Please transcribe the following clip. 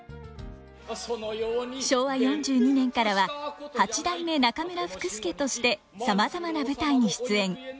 昭和４２年からは八代目中村福助としてさまざまな舞台に出演。